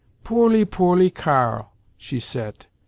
'Poorly, poorly Karl!' she sayt.